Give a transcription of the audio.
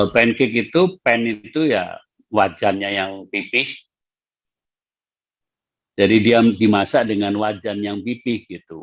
pancake itu wajannya yang pipih jadi dia dimasak dengan wajan yang pipih gitu